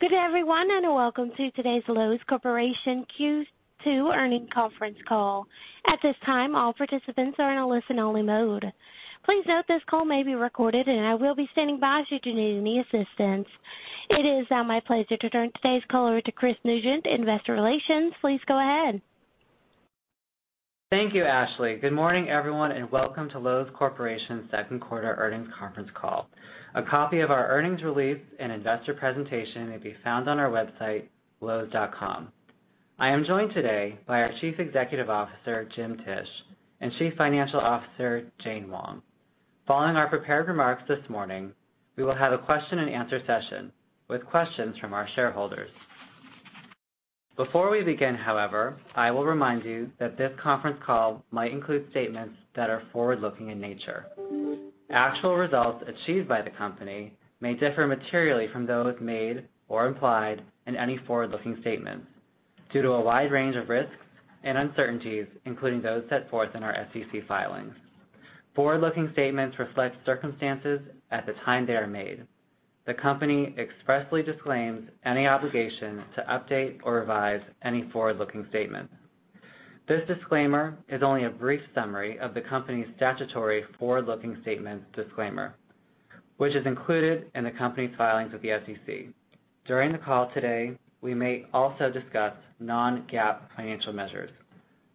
Good everyone, and welcome to today's Loews Corporation Q2 earnings conference call. At this time, all participants are in a listen-only mode. Please note this call may be recorded, and I will be standing by should you need any assistance. It is now my pleasure to turn today's call over to Chris Nugent, Investor Relations. Please go ahead. Thank you, Ashley. Good morning, everyone, and welcome to Loews Corporation's second quarter earnings conference call. A copy of our earnings release and investor presentation may be found on our website, loews.com. I am joined today by our Chief Executive Officer, Jim Tisch, and Chief Financial Officer, Jane Wang. Following our prepared remarks this morning, we will have a question-and-answer session with questions from our shareholders. Before we begin, however, I will remind you that this conference call might include statements that are forward-looking in nature. Actual results achieved by the company may differ materially from those made or implied in any forward-looking statements due to a wide range of risks and uncertainties, including those set forth in our SEC filings. Forward-looking statements reflect circumstances at the time they are made. The company expressly disclaims any obligation to update or revise any forward-looking statement. This disclaimer is only a brief summary of the company's statutory forward-looking statement disclaimer, which is included in the company's filings with the SEC. During the call today, we may also discuss non-GAAP financial measures.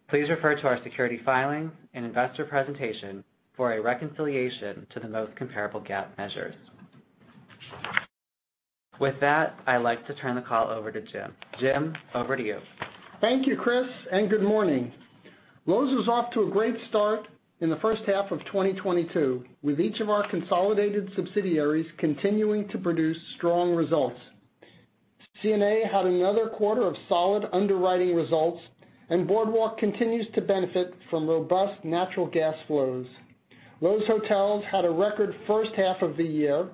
Please refer to our securities filings and investor presentation for a reconciliation to the most comparable GAAP measures. With that, I'd like to turn the call over to Jim. Jim, over to you. Thank you, Chris, and good morning. Loews is off to a great start in the first half of 2022, with each of our consolidated subsidiaries continuing to produce strong results. CNA had another quarter of solid underwriting results, and Boardwalk continues to benefit from robust natural gas flows. Loews Hotels had a record first half of the year,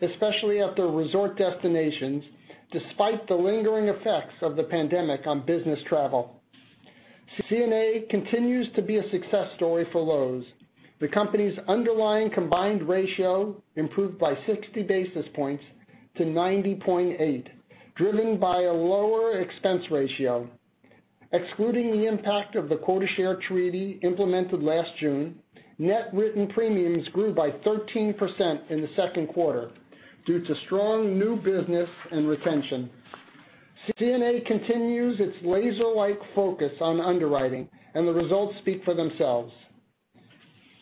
especially at their resort destinations, despite the lingering effects of the pandemic on business travel. CNA continues to be a success story for Loews. The company's underlying combined ratio improved by 60 basis points to 90.8, driven by a lower expense ratio. Excluding the impact of the quota share treaty implemented last June, net written premiums grew by 13% in the second quarter due to strong new business and retention. CNA continues its laser-like focus on underwriting, and the results speak for themselves.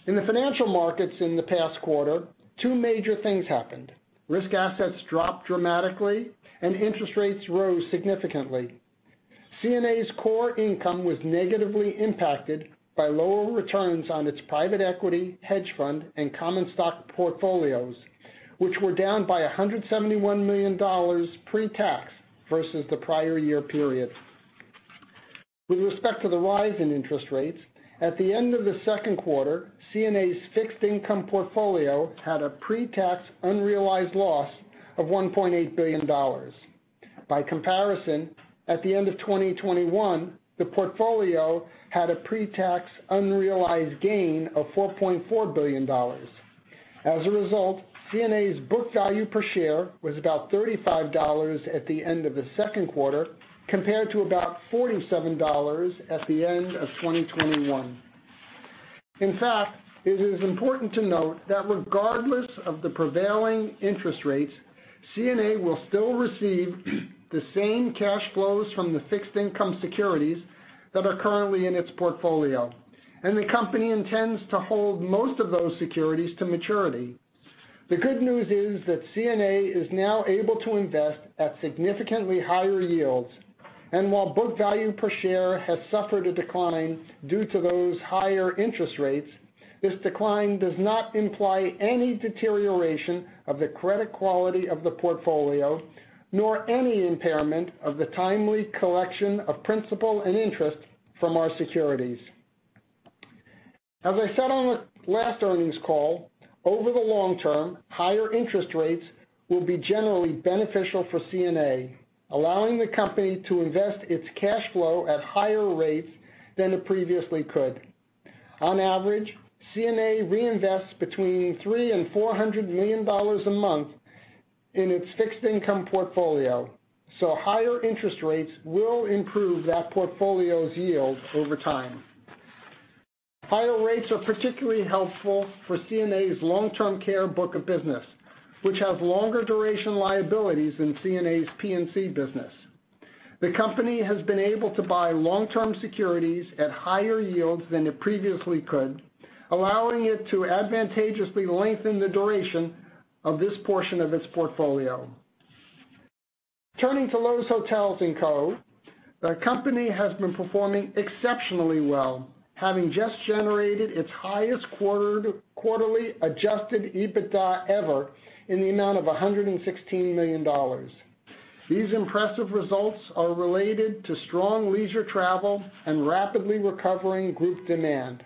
In the financial markets in the past quarter, two major things happened. Risk assets dropped dramatically, and interest rates rose significantly. CNA's core income was negatively impacted by lower returns on its private equity, hedge fund, and common stock portfolios, which were down by $171 million pre-tax versus the prior year period. With respect to the rise in interest rates, at the end of the second quarter, CNA's fixed income portfolio had a pre-tax unrealized loss of $1.8 billion. By comparison, at the end of 2021, the portfolio had a pre-tax unrealized gain of $4.4 billion. As a result, CNA's book value per share was about $35 at the end of the second quarter, compared to about $47 at the end of 2021. In fact, it is important to note that regardless of the prevailing interest rates, CNA will still receive the same cash flows from the fixed income securities that are currently in its portfolio, and the company intends to hold most of those securities to maturity. The good news is that CNA is now able to invest at significantly higher yields, and while book value per share has suffered a decline due to those higher interest rates, this decline does not imply any deterioration of the credit quality of the portfolio, nor any impairment of the timely collection of principal and interest from our securities. As I said on the last earnings call, over the long term, higher interest rates will be generally beneficial for CNA, allowing the company to invest its cash flow at higher rates than it previously could. On average, CNA reinvests between $300 million and $400 million a month in its fixed income portfolio, so higher interest rates will improve that portfolio's yield over time. Higher rates are particularly helpful for CNA's long-term care book of business, which has longer duration liabilities than CNA's P&C business. The company has been able to buy long-term securities at higher yields than it previously could, allowing it to advantageously lengthen the duration of this portion of its portfolio. Turning to Loews Hotels & Co, the company has been performing exceptionally well, having just generated its highest quarterly adjusted EBITDA ever in the amount of $116 million. These impressive results are related to strong leisure travel and rapidly recovering group demand.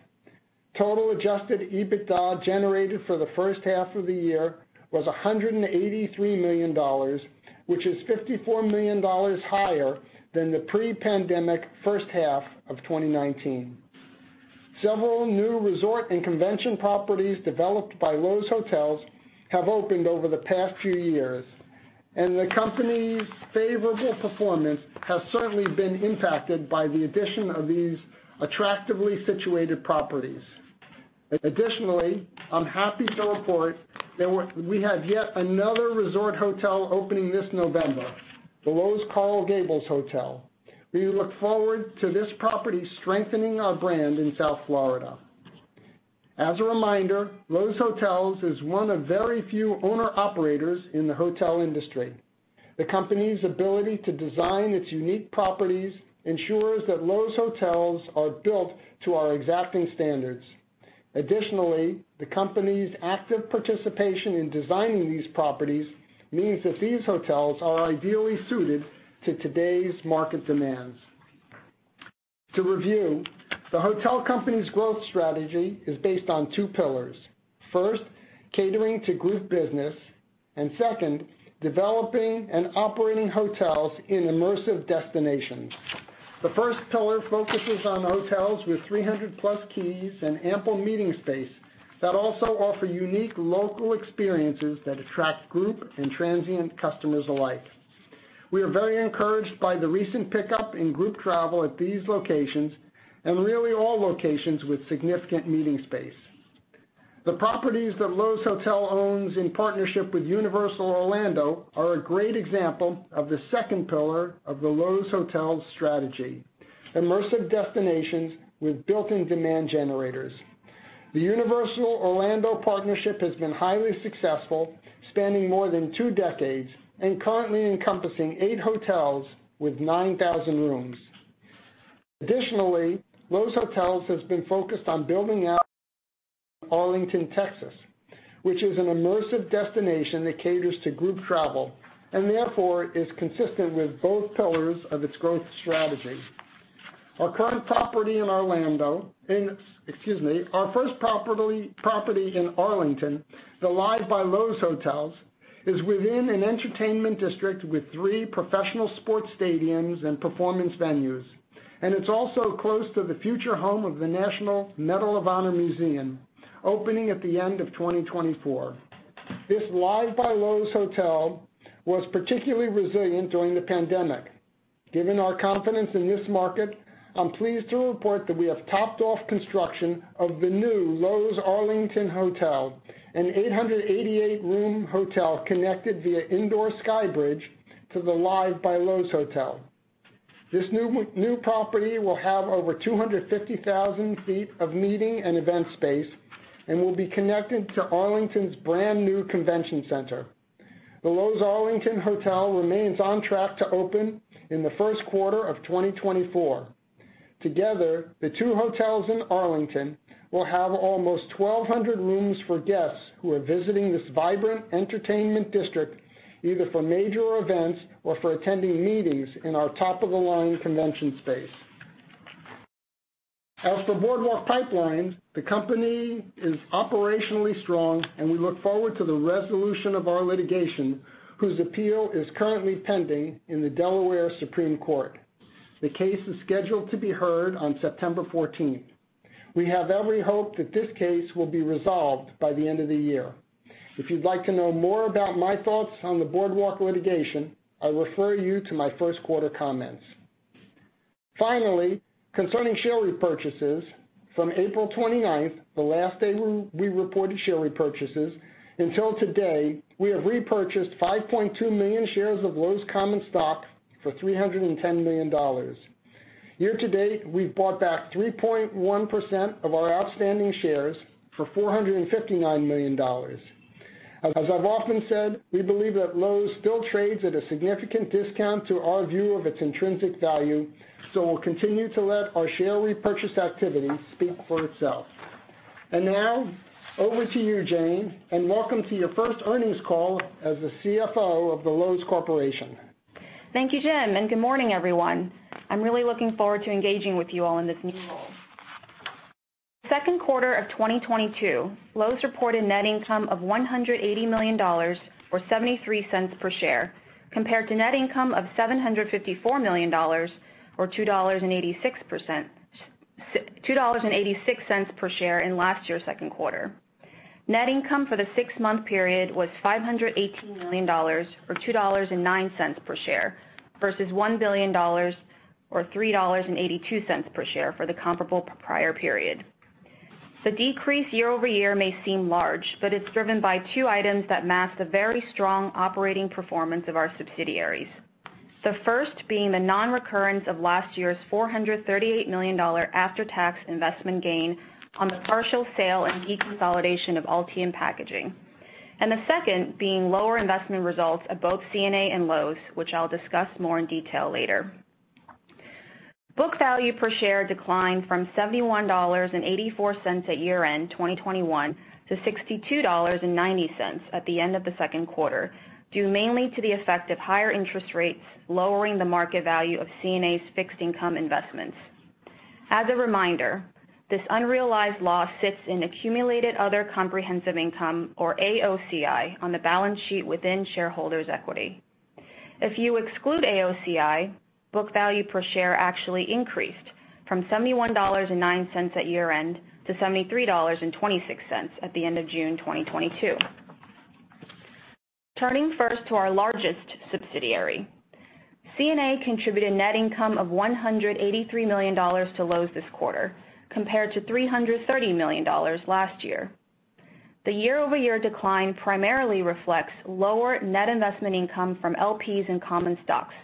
Total adjusted EBITDA generated for the first half of the year was $183 million, which is $54 million higher than the pre-pandemic first half of 2019. Several new resort and convention properties developed by Loews Hotels have opened over the past few years, and the company's favorable performance has certainly been impacted by the addition of these attractively situated properties. Additionally, I'm happy to report that we have yet another resort hotel opening this November, the Loews Coral Gables Hotel. We look forward to this property strengthening our brand in South Florida. As a reminder, Loews Hotels is one of very few owner-operators in the hotel industry. The company's ability to design its unique properties ensures that Loews Hotels are built to our exacting standards. Additionally, the company's active participation in designing these properties means that these hotels are ideally suited to today's market demands. To review, the hotel company's growth strategy is based on two pillars. First, catering to group business, and second, developing and operating hotels in immersive destinations. The first pillar focuses on hotels with 300+ keys and ample meeting space that also offer unique local experiences that attract group and transient customers alike. We are very encouraged by the recent pickup in group travel at these locations, and really all locations with significant meeting space. The properties that Loews Hotels owns in partnership with Universal Orlando are a great example of the second pillar of the Loews Hotels strategy, immersive destinations with built-in demand generators. The Universal Orlando partnership has been highly successful, spanning more than two decades and currently encompassing eight hotels with 9,000 rooms. Additionally, Loews Hotels has been focused on building out Arlington, Texas, which is an immersive destination that caters to group travel, and therefore is consistent with both pillars of its growth strategy. Our first property in Arlington, the Live! by Loews, is within an entertainment district with three professional sports stadiums and performance venues, and it's also close to the future home of the National Medal of Honor Museum, opening at the end of 2024. This Live! by Loews Hotel was particularly resilient during the pandemic. Given our confidence in this market, I'm pleased to report that we have topped off construction of the new Loews Arlington Hotel, an 888-room hotel connected via indoor sky bridge to the Live! by Loews Hotel. This new property will have over 250,000 sq ft of meeting and event space and will be connected to Arlington's brand-new convention center. The Loews Arlington Hotel remains on track to open in the first quarter of 2024. Together, the two hotels in Arlington will have almost 1,200 rooms for guests who are visiting this vibrant entertainment district, either for major events or for attending meetings in our top-of-the-line convention space. As for Boardwalk Pipelines, the company is operationally strong, and we look forward to the resolution of our litigation, whose appeal is currently pending in the Delaware Supreme Court. The case is scheduled to be heard on September fourteenth. We have every hope that this case will be resolved by the end of the year. If you'd like to know more about my thoughts on the Boardwalk litigation, I refer you to my first quarter comments. Finally, concerning share repurchases, from April 29th, the last day we reported share repurchases, until today, we have repurchased 5.2 million shares of Loews' common stock for $310 million. Year to date, we've bought back 3.1% of our outstanding shares for $459 million. As I've often said, we believe that Loews still trades at a significant discount to our view of its intrinsic value, so we'll continue to let our share repurchase activity speak for itself. Now over to you, Jane, and welcome to your first earnings call as the CFO of the Loews Corporation. Thank you, Jim, and good morning, everyone. I'm really looking forward to engaging with you all in this new role. Second quarter of 2022, Loews reported net income of $180 million or $0.73 per share, compared to net income of $754 million or $2.86 per share in last year's second quarter. Net income for the six-month period was $518 million, or $2.09 per share, versus $1 billion or $3.82 per share for the comparable prior period. The decrease year-over-year may seem large, but it's driven by two items that mask the very strong operating performance of our subsidiaries. The first being the non-recurrence of last year's $438 million after-tax investment gain on the partial sale and deconsolidation of Altium Packaging. The second being lower investment results at both CNA and Loews, which I'll discuss more in detail later. Book value per share declined from $71.84 at year-end 2021 to $62.90 at the end of the second quarter, due mainly to the effect of higher interest rates lowering the market value of CNA's fixed income investments. As a reminder, this unrealized loss sits in accumulated other comprehensive income, or AOCI, on the balance sheet within shareholders' equity. If you exclude AOCI, book value per share actually increased from $71.09 at year-end to $73.26 at the end of June 2022. Turning first to our largest subsidiary, CNA contributed net income of $183 million to Loews this quarter, compared to $330 million last year. The year-over-year decline primarily reflects lower net investment income from LPs and common stocks,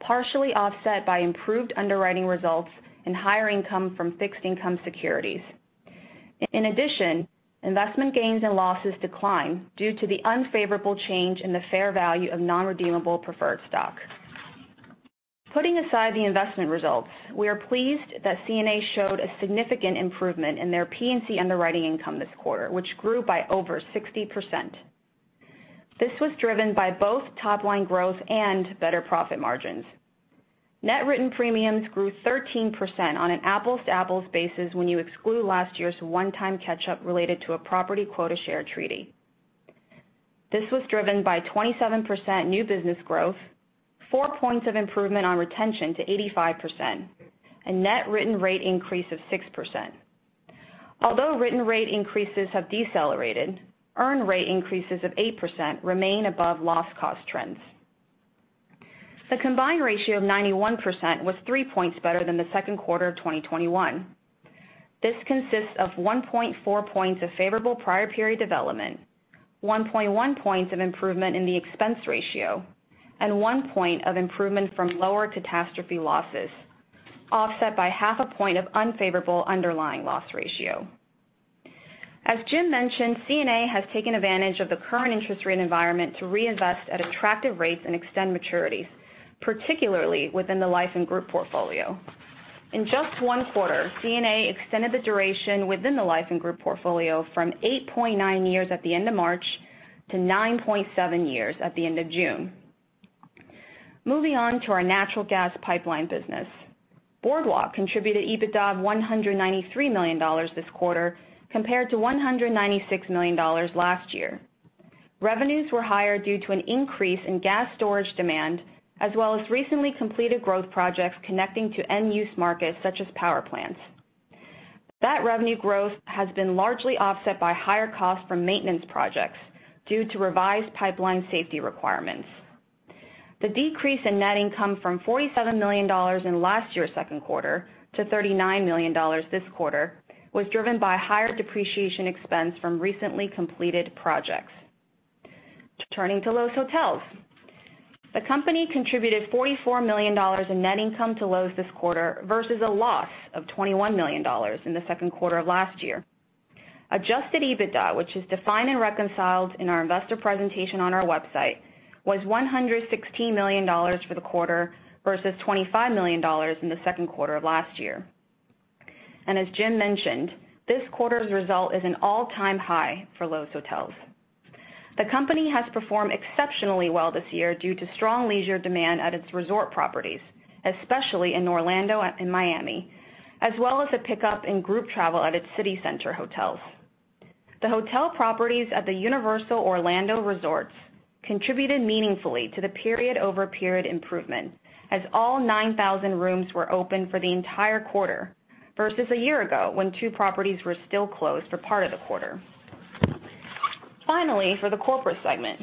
partially offset by improved underwriting results and higher income from fixed income securities. In addition, investment gains and losses declined due to the unfavorable change in the fair value of non-redeemable preferred stock. Putting aside the investment results, we are pleased that CNA showed a significant improvement in their P&C underwriting income this quarter, which grew by over 60%. This was driven by both top-line growth and better profit margins. Net written premiums grew 13% on an apples-to-apples basis when you exclude last year's one-time catch-up related to a property quota share treaty. This was driven by 27% new business growth, 4 points of improvement on retention to 85%, a net written rate increase of 6%. Although written rate increases have decelerated, earn rate increases of 8% remain above loss cost trends. The combined ratio of 91% was 3 points better than the second quarter of 2021. This consists of 1.4 points of favorable prior period development, 1.1 points of improvement in the expense ratio, and 1 point of improvement from lower catastrophe losses, offset by 0.5 point of unfavorable underlying loss ratio. As Jim mentioned, CNA has taken advantage of the current interest rate environment to reinvest at attractive rates and extend maturities, particularly within the life and group portfolio. In just one quarter, CNA extended the duration within the life and group portfolio from 8.9 years at the end of March to 9.7 years at the end of June. Moving on to our natural gas pipeline business. Boardwalk contributed EBITDA of $193 million this quarter compared to $196 million last year. Revenues were higher due to an increase in gas storage demand, as well as recently completed growth projects connecting to end-use markets such as power plants. That revenue growth has been largely offset by higher costs from maintenance projects due to revised pipeline safety requirements. The decrease in net income from $47 million in last year's second quarter to $39 million this quarter was driven by higher depreciation expense from recently completed projects. Turning to Loews Hotels. The company contributed $44 million in net income to Loews this quarter versus a loss of $21 million in the second quarter of last year. Adjusted EBITDA, which is defined and reconciled in our investor presentation on our website, was $116 million for the quarter versus $25 million in the second quarter of last year. As Jim mentioned, this quarter's result is an all-time high for Loews Hotels. The company has performed exceptionally well this year due to strong leisure demand at its resort properties, especially in Orlando and Miami, as well as a pickup in group travel at its city center hotels. The hotel properties at the Universal Orlando Resort contributed meaningfully to the period-over-period improvement as all 9,000 rooms were open for the entire quarter versus a year ago when two properties were still closed for part of the quarter. Finally, for the corporate segment,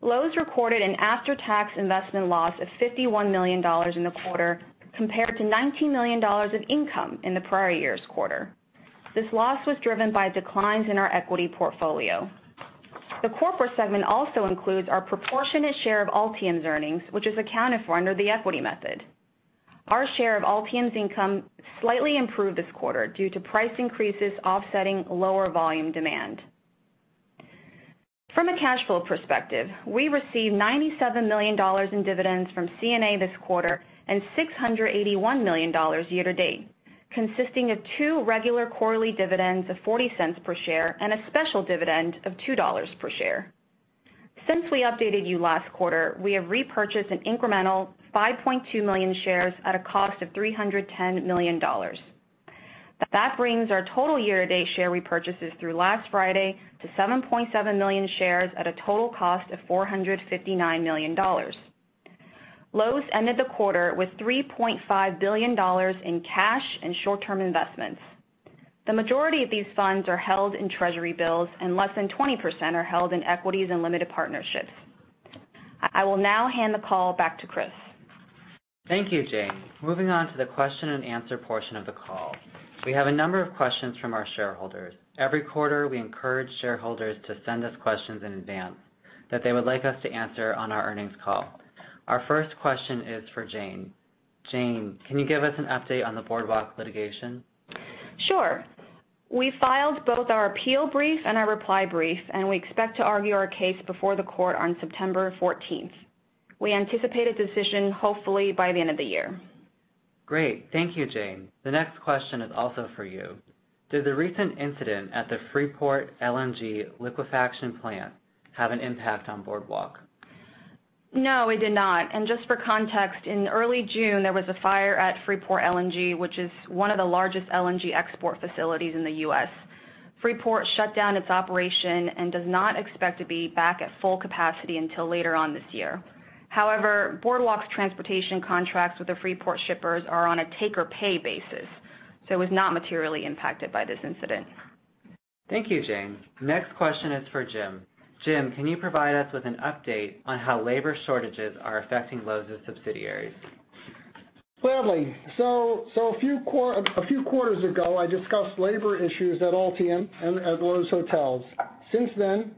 Loews recorded an after-tax investment loss of $51 million in the quarter compared to $19 million of income in the prior year's quarter. This loss was driven by declines in our equity portfolio. The corporate segment also includes our proportionate share of Altium Packaging's earnings, which is accounted for under the equity method. Our share of Altium Packaging's income slightly improved this quarter due to price increases offsetting lower volume demand. From a cash flow perspective, we received $97 million in dividends from CNA this quarter and $681 million year-to-date, consisting of two regular quarterly dividends of $0.40 per share and a special dividend of $2 per share. Since we updated you last quarter, we have repurchased an incremental 5.2 million shares at a cost of $310 million. That brings our total year-to-date share repurchases through last Friday to 7.7 million shares at a total cost of $459 million. Loews ended the quarter with $3.5 billion in cash and short-term investments. The majority of these funds are held in Treasury bills, and less than 20% are held in equities and limited partnerships. I will now hand the call back to Chris. Thank you, Jane. Moving on to the question and answer portion of the call. We have a number of questions from our shareholders. Every quarter, we encourage shareholders to send us questions in advance that they would like us to answer on our earnings call. Our first question is for Jane. Jane, can you give us an update on the Boardwalk litigation? Sure. We filed both our appeal brief and our reply brief, and we expect to argue our case before the court on September fourteenth. We anticipate a decision hopefully by the end of the year. Great. Thank you, Jane. The next question is also for you. Did the recent incident at the Freeport LNG liquefaction plant have an impact on Boardwalk? No, it did not. Just for context, in early June, there was a fire at Freeport LNG, which is one of the largest LNG export facilities in the U.S. Freeport shut down its operation and does not expect to be back at full capacity until later on this year. However, Boardwalk's transportation contracts with the Freeport shippers are on a take-or-pay basis, so it was not materially impacted by this incident. Thank you, Jane. Next question is for Jim. Jim, can you provide us with an update on how labor shortages are affecting Loews' subsidiaries? Gladly. A few quarters ago, I discussed labor issues at Altium and at Loews Hotels. Since then,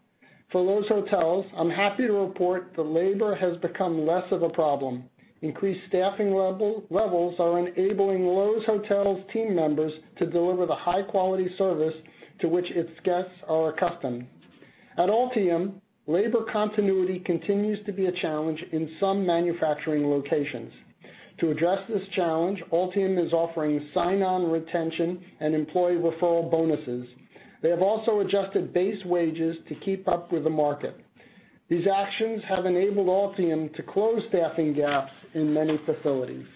for Loews Hotels, I'm happy to report that labor has become less of a problem. Increased staffing levels are enabling Loews Hotels team members to deliver the high-quality service to which its guests are accustomed. At Altium, labor continuity continues to be a challenge in some manufacturing locations. To address this challenge, Altium is offering sign-on retention and employee referral bonuses. They have also adjusted base wages to keep up with the market. These actions have enabled Altium to close staffing gaps in many facilities.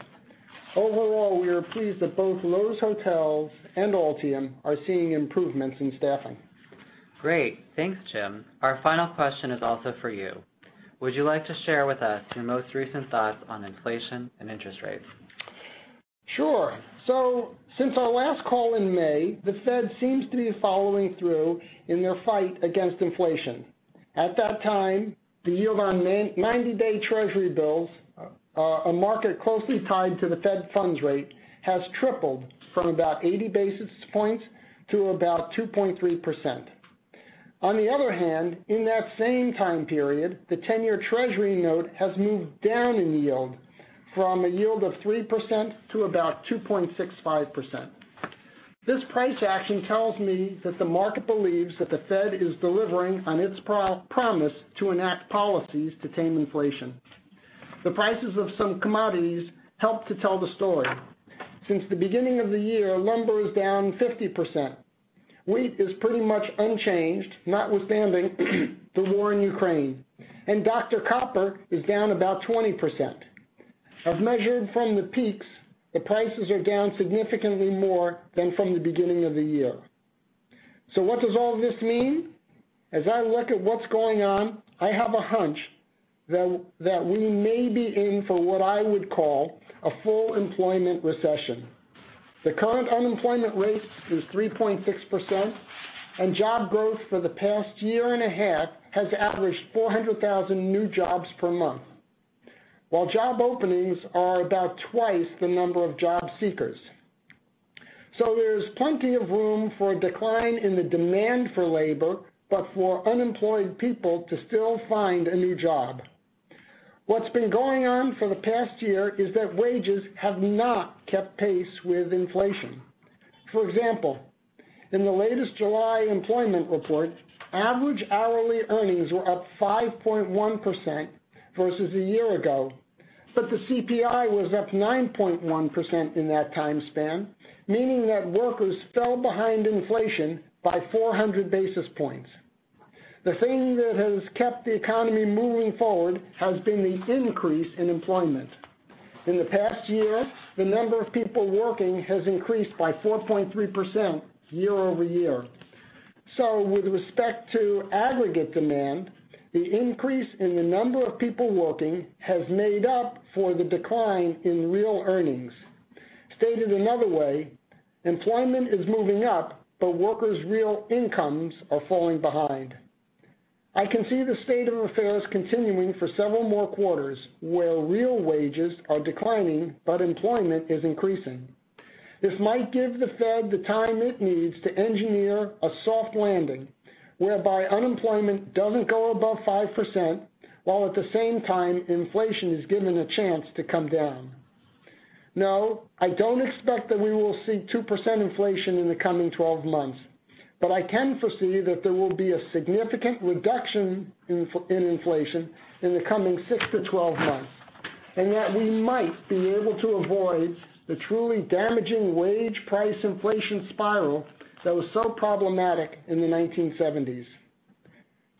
Overall, we are pleased that both Loews Hotels and Altium are seeing improvements in staffing. Great. Thanks, Jim. Our final question is also for you. Would you like to share with us your most recent thoughts on inflation and interest rates? Sure. Since our last call in May, the Fed seems to be following through in their fight against inflation. At that time, the yield on 90-day Treasury bills, a market closely tied to the Fed funds rate, has tripled from about 80 basis points to about 2.3%. On the other hand, in that same time period, the ten-year Treasury note has moved down in yield from a yield of 3% to about 2.65%. This price action tells me that the market believes that the Fed is delivering on its promise to enact policies to tame inflation. The prices of some commodities help to tell the story. Since the beginning of the year, lumber is down 50%. Wheat is pretty much unchanged, notwithstanding the war in Ukraine. Doctor Copper is down about 20%. As measured from the peaks, the prices are down significantly more than from the beginning of the year. What does all this mean? As I look at what's going on, I have a hunch that we may be in for what I would call a full employment recession. The current unemployment rate is 3.6%, and job growth for the past year and a half has averaged 400,000 new jobs per month, while job openings are about twice the number of job seekers. There's plenty of room for a decline in the demand for labor, but for unemployed people to still find a new job. What's been going on for the past year is that wages have not kept pace with inflation. For example, in the latest July employment report, average hourly earnings were up 5.1% versus a year ago, but the CPI was up 9.1% in that time span, meaning that workers fell behind inflation by 400 basis points. The thing that has kept the economy moving forward has been the increase in employment. In the past year, the number of people working has increased by 4.3% year-over-year. With respect to aggregate demand, the increase in the number of people working has made up for the decline in real earnings. Stated another way, employment is moving up, but workers' real incomes are falling behind. I can see the state of affairs continuing for several more quarters, where real wages are declining, but employment is increasing. This might give the Fed the time it needs to engineer a soft landing, whereby unemployment doesn't go above 5%, while at the same time inflation is given a chance to come down. No, I don't expect that we will see 2% inflation in the coming 12 months, but I can foresee that there will be a significant reduction in inflation in the coming 6-12 months, and that we might be able to avoid the truly damaging wage price inflation spiral that was so problematic in the 1970s.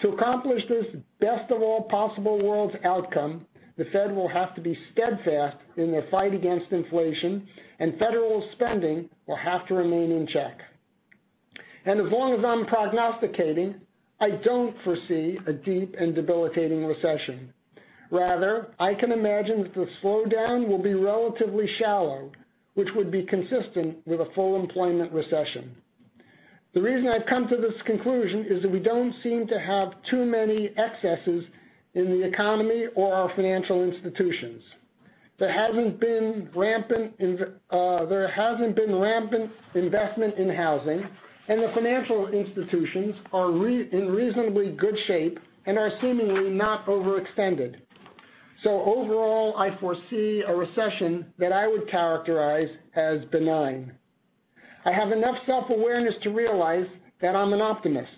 To accomplish this best of all possible worlds outcome, the Fed will have to be steadfast in their fight against inflation, and federal spending will have to remain in check. As long as I'm prognosticating, I don't foresee a deep and debilitating recession. Rather, I can imagine that the slowdown will be relatively shallow, which would be consistent with a full employment recession. The reason I've come to this conclusion is that we don't seem to have too many excesses in the economy or our financial institutions. There hasn't been rampant investment in housing, and the financial institutions are in reasonably good shape and are seemingly not overextended. So overall, I foresee a recession that I would characterize as benign. I have enough self-awareness to realize that I'm an optimist,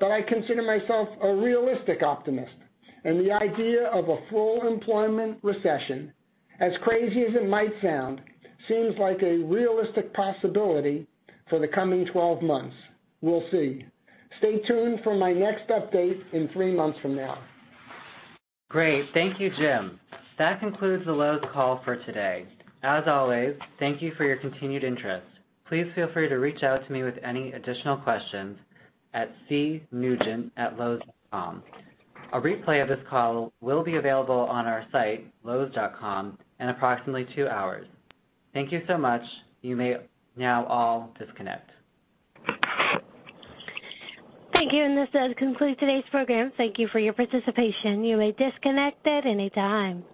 but I consider myself a realistic optimist. The idea of a full employment recession, as crazy as it might sound, seems like a realistic possibility for the coming twelve months. We'll see. Stay tuned for my next update in three months from now. Great. Thank you, Jim. That concludes the Loews call for today. As always, thank you for your continued interest. Please feel free to reach out to me with any additional questions at cnugent@loews.com. A replay of this call will be available on our site, loews.com in approximately two hours. Thank you so much. You may now all disconnect. Thank you, and this does conclude today's program. Thank you for your participation. You may disconnect at any time.